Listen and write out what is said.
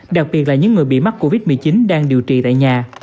đặc biệt là những người bị mắc covid một mươi chín đang điều trị tại nhà